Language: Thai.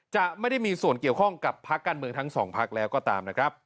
จะไม่ได้มีส่วนเกี่ยวข้องกับพักการเมืองทั้งสองพักแล้วก็ตามนะครับ